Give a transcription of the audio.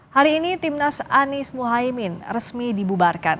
hari ini timnas anies muhaymin resmi dibubarkan